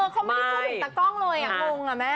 เขาไม่ได้พูดถึงตากล้องเลยงงอ่ะแม่